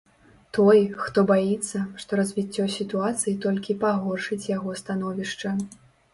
Той, хто баіцца, што развіццё сітуацыі толькі пагоршыць яго становішча.